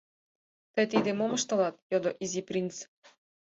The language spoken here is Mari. — Тый тиде мом ыштылат? — йодо Изи принц.